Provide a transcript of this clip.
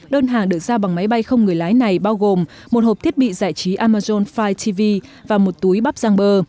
đơn hàng được giao bằng máy bay không người lái này bao gồm một hộp thiết bị giải trí amazon file tv và một túi bắp giang bờ